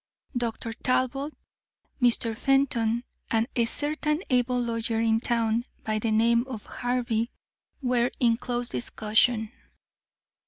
Dr. Talbot, Mr. Fenton, and a certain able lawyer in town by the name of Harvey, were in close discussion.